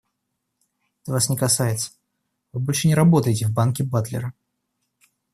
Это вас не касается, вы больше не работаете в банке Батлера.